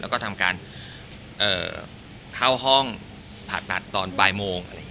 แล้วก็ทำการเข้าห้องผ่าตัดตอนปลายโมง